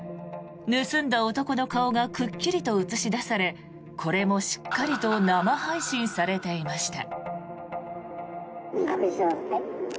盗んだ男の顔がくっきりと映し出されこれもしっかりと生配信されていました。